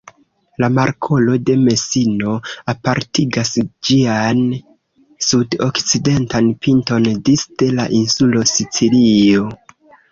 La markolo de Mesino apartigas ĝian sud-okcidentan pinton disde la insulo Sicilio.